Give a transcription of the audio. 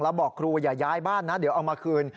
แล้วบอกครูอย่าย้ายบ้านนะเดี๋ยวเอามาคืน